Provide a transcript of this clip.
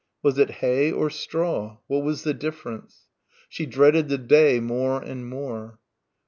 Was it hay or straw? What was the difference? She dreaded the day more and more.